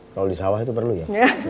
kalau di sawah itu perlu ya